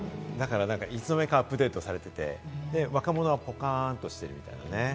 いつの間にかアップデートされてて、若者はポカンとしてるみたいなね。